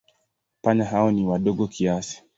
Panya hao ni wadogo kiasi.